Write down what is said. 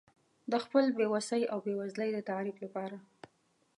د خپل بې وسۍ او بېوزلۍ د تعریف لپاره.